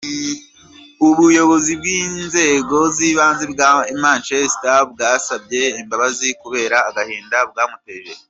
Ubuyobozi bw’inzego z’ibanze bw’i Manchester bwasabye imbabazi kubera agahinda bwamuteje.